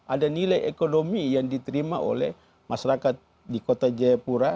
ada nilai ekonomi yang diterima oleh masyarakat di kota jayapura